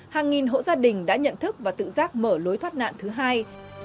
hàng nghìn hộ gia đình đã nhận thức và tự giác mở lối thoát nạn thứ hai